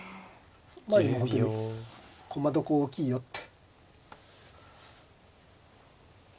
まあ今本当に駒得大きいよって。